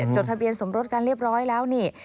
จดทะเบียนสมรสกันเรียบร้อยแล้วนี่